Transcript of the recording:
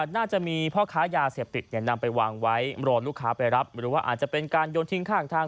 น่าจะมีพ่อค้ายาเสพติดนำไปวางไว้รอลูกค้าไปรับหรือว่าอาจจะเป็นการโยนทิ้งข้างทาง